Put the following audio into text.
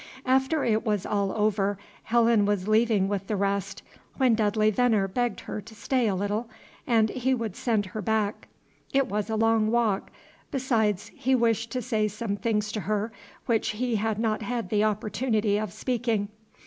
After it was all over, Helen was leaving with the rest, when Dudley Veneer begged her to stay a little, and he would send her back: it was a long walk; besides, he wished to say some things to her, which he had not had the opportunity of speaking.